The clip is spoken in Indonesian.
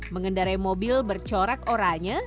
mengendarai mobil bercorak oranya